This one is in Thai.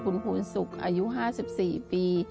ทำงานชื่อนางหยาดฝนภูมิสุขอายุ๕๔ปี